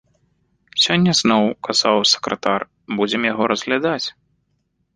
Сёння зноў, казаў сакратар, будзем яго разглядаць.